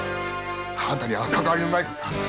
あんたにはかかわりのないことだ。